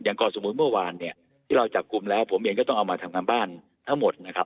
ก่อนสมมุติเมื่อวานเนี่ยที่เราจับกลุ่มแล้วผมเองก็ต้องเอามาทำการบ้านทั้งหมดนะครับ